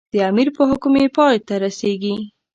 د امیر په حکم یې پای ته رسېږي.